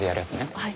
はい。